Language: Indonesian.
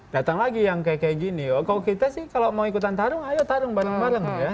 datang lagi yang kayak kayak gini oh kalau kita sih kalau mau ikutan tarung ayo tarung bareng bareng ya